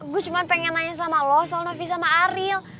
gue cuma pengen nanya sama lo soal novi sama ariel